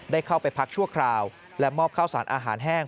เข้าไปพักชั่วคราวและมอบข้าวสารอาหารแห้ง